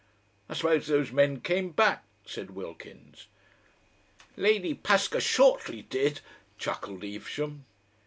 "I suppose those men came back," said Wilkins. "Lady Paskershortly did!" chuckled Evesham.